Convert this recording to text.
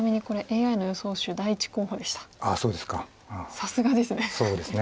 さすがですね。